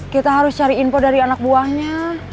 kita harus cari info dari anak buahnya